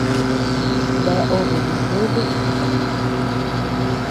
Bea obe dikunú.